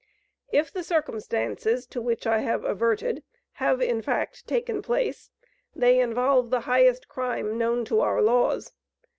If the circumstances, to which I have adverted, have in fact taken place, they involve the highest crime known to our laws.